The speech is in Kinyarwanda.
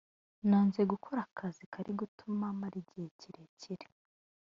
nanze gukora akazi kari gutuma mara igihe kirekire